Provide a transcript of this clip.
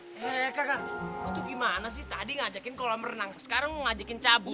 eh kakak lo tuh gimana sih tadi ngajakin kolam renang sekarang ngajakin cabut